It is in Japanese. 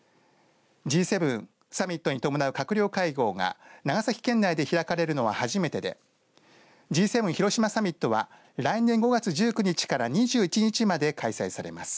Ｇ７サミットに伴う閣僚会合が長崎県内で開かれるのは初めてでＧ７広島サミットは来年５月１９日から２１日まで開催されます。